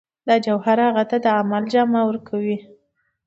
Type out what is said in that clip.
دا جوهر هغه ته د عمل جامه ورکوي